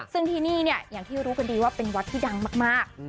ซึ่งที่นี่เนี่ยอย่างที่รู้กันดีว่าเป็นวัดที่ดังมาก